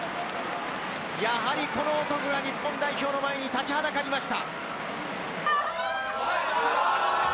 やはりこの男が日本代表の前に立ちはだかりました。